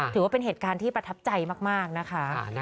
ถือว่าเป็นเหตุการณ์ที่ประทับใจมากนะคะ